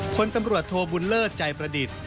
คนตำรวจโทบุญเลิศใจประดิษฐ์